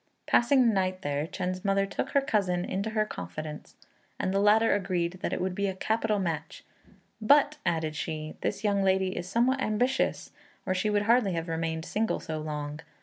Passing the night there, Chên's mother took her cousin into her confidence, and the latter agreed that it would be a capital match; "but," added she, "this young lady is somewhat ambitious, or she would hardly have remained single so long.